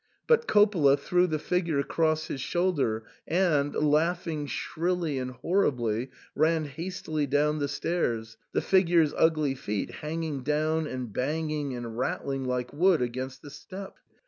But Coppola threw the figure across his shoulder, and, laughing shrilly and horribly, ran hastily down the stairs, the figure's ugly feet hanging down and banging and rattling like wood against the steps.